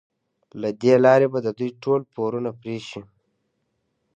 له دې لارې به د دوی ټول پورونه پرې شي.